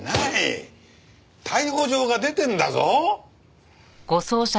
逮捕状が出てるんだぞ。